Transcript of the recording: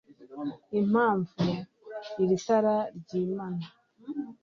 impamvu, iri tara ryimana